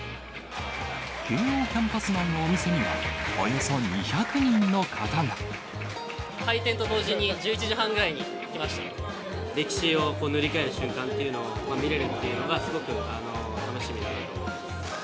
慶応キャンパス内のお店には、開店と同時に、歴史を塗り替える瞬間っていうのを見れるっていうのがすごく楽しみだなと思います。